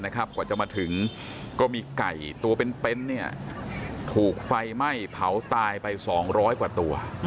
กว่าจะมาถึงก็มีไก่ตัวเป็นถูกไฟไหม้เผาตายไป๒๐๐กว่าตัว